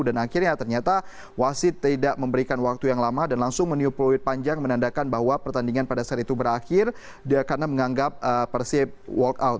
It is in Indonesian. dan akhirnya ternyata wasit tidak memberikan waktu yang lama dan langsung meniup luar panjang menandakan bahwa pertandingan pada saat itu berakhir karena menganggap persib walk out